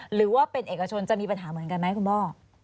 หรือว่าเป็นเอกชนจะมีปัญหาเหมือนกันไหมคุณพ่อ